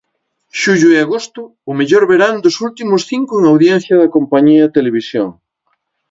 Xullo e agosto, o mellor verán dos últimos cinco en audiencia da Compañía Televisión.